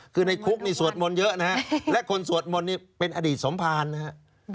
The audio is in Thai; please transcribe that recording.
คือในคุกนี่สวดมนต์เยอะนะฮะและคนสวดมนต์นี่เป็นอดีตสมภารนะครับ